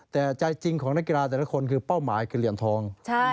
แต่ใจจริงของนักกีฬาแต่ละคนคือเป้าหมายคือเหรียญทอง